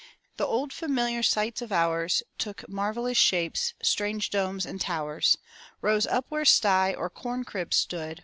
The old familiar sights of ours Took marvellous shapes; strange domes and towers Rose up where sty or corn crib stood.